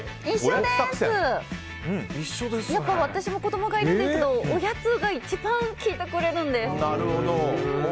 やっぱり、私も子供がいるんですけどおやつが一番聞いてくれるんです。